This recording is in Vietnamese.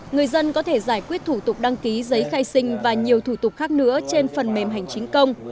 người dân có thể giải quyết thủ tục đăng ký giấy khai sinh và nhiều thủ tục khác nữa trên phần mềm hành chính công